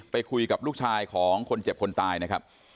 ไปคุยกับลูกชายของคนเจ็บคนตายนะครับ